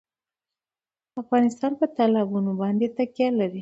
افغانستان په تالابونه باندې تکیه لري.